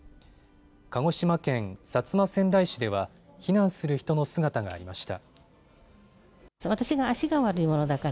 鹿児島県薩摩川内市では避難する人の姿がありました。